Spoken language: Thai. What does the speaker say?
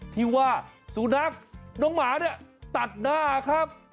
ที่ว่าสูนักน้องหมาเนี่ยตัดหน้าครับ